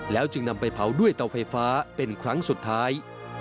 จึงนำไปเผาด้วยเตาไฟฟ้าเป็นครั้งสุดท้าย